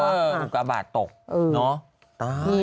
อุกาบาทตกเนอะ